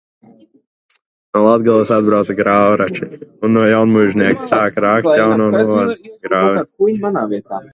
No Latgales atbrauca grāvrači un no Jaunmuižnieka sāka rakt jauno novadgrāvi.